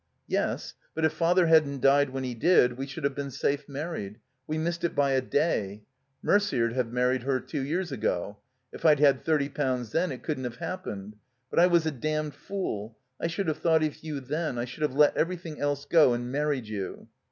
"Yes. But if Father hadn't died when he did we should have been safe married. We missed it by a day. Merder'd have married her two years ago. If I'd had thirty pounds then it couldn't have haip pened. But I was a damned fool. I should have thought of you then — ^I should have let everything else go and married you."